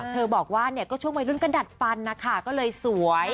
เธอบอกว่าเนี่ยก็ช่วงวัยรุ่นกระดัดฟันนะคะก็เลยสวย